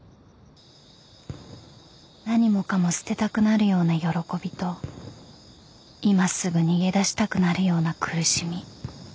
［何もかも捨てたくなるような喜びと今すぐ逃げ出したくなるような苦しみ］